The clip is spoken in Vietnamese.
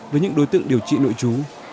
với những đối tượng điều trị nội trú